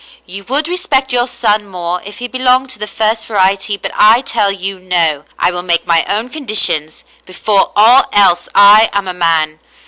You would respect your son more if he belonged to the first variety, but I tell you no. I will make my own condi tions. Before all else, I am a man.